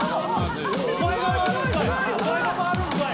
お前が回るんかい！